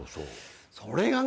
それがね